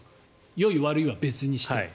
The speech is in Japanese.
よい悪いは別にして。